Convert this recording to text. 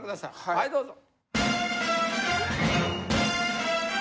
はいどうぞ。